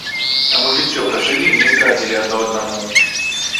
А мы жыццё пражылі, не здрадзілі адно аднаму.